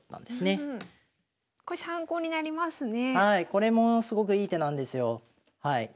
これもすごくいい手なんですよ。